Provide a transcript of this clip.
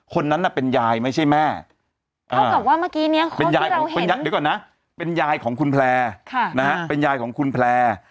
คนนั้นเป็นยายไม่ใช่แม่เดี๋ยวก่อนนะเป็นยายของคุณแพลร์